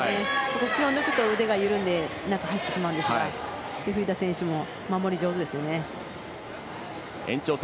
こっちを抜くと、腕が緩んで中に入ってしまうんですがジュフリダ選手も守りが上手ですね。